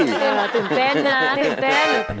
ก็ตื่นเต้น